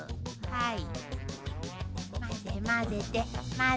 はい。